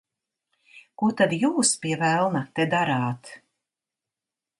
Ko tad jūs, pie velna, te darāt?